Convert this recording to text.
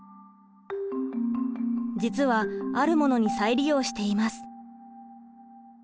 実はあるものに再利用しています。